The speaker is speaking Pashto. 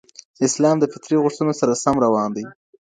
اسلام د فطري غوښتنو سره سم روان دی.